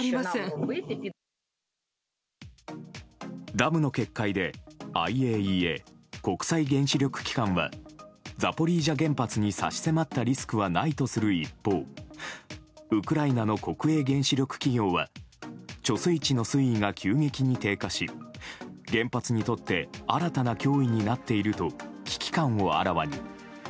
ダムの決壊でＩＡＥＡ・国際原子力機関はザポリージャ原発に、差し迫ったリスクはないとする一方ウクライナの国営原子力企業は貯水池の水位が急激に低下し原発にとって新たな脅威になっていると危機感をあらわに。